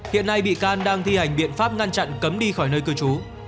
hiện nay bị can đang thi hành biện pháp ngăn chặn cấm đi khỏi nơi cư trú